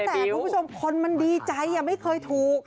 แต่คุณผู้ชมคนมันดีใจไม่เคยถูก